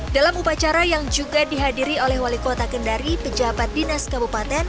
dalam upacara yang juga dihadiri oleh wali kota kendari pejabat dinas kabupaten